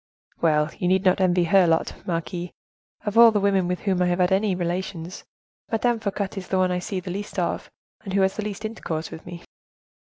"Well, you need not envy her lot, marquise; of all the women with whom I have had any relations, Madame Fouquet is the one I see the least of, and who has the least intercourse with me."